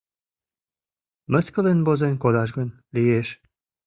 — Мыскылен возен кодаш гын лиеш.